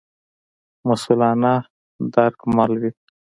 مسوولانه درک مل وي.